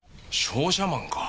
商社マンか。